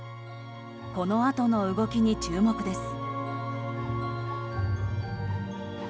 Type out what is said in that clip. このあとの動きに注目です。